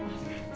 boleh dong rena